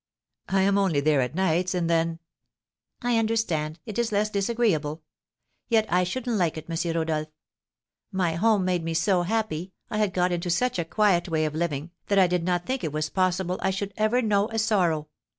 "I am only there at nights, and then " "I understand, it is less disagreeable. Yet I shouldn't like it, M. Rodolph. My home made me so happy, I had got into such a quiet way of living, that I did not think it was possible I should ever know a sorrow.